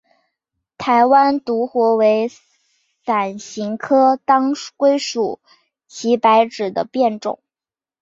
台湾独活为伞形科当归属祁白芷的变种。